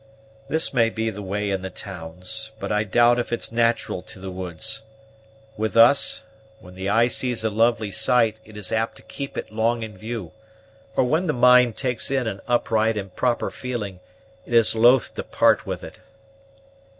"This may be the way in the towns, but I doubt if it's nat'ral to the woods. With us, when the eye sees a lovely sight, it is apt to keep it long in view, or when the mind takes in an upright and proper feeling, it is loath to part with it."